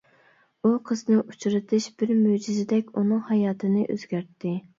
ئۇ قىزنى ئۇچرىتىش بىر مۆجىزىدەك ئۇنىڭ ھاياتىنى ئۆزگەرتتى.